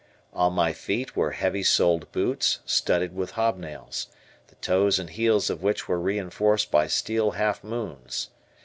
On my feet were heavy soled boots, studded with hobnails, the toes and heels of which were reinforced by steel half moons.